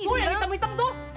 tuh yang hitam hitam tuh